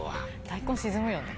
大根沈むよね？